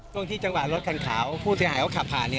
ช่วงที่จังหวะรถคันขาวผู้เสียหายเขาขับผ่าน